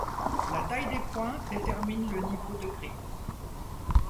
La taille des points détermine le niveau de gris.